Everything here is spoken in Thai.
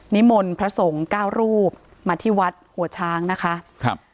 นิมนต์พระสงฆ์เก้ารูปมาที่วัดหัวช้างนะคะครับ